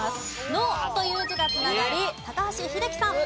「能」という字が繋がり高橋英樹さん。